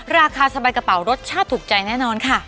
ราคาสบายกระเป๋ารสชาติถูกใจแน่นอนค่ะ